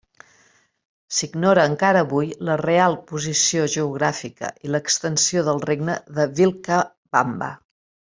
S'ignora encara avui la real posició geogràfica i l'extensió del regne de Vilcabamba.